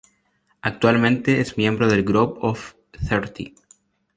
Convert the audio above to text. Actualmente es miembro del Group of Thirty.